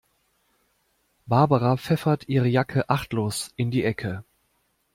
Barbara pfeffert ihre Jacke achtlos in die Ecke.